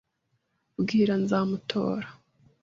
Bwira nzamutora.